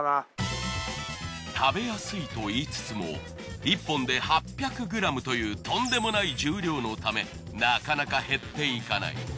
食べやすいと言いつつも１本で８００ｇというとんでもない重量のためなかなか減っていかない。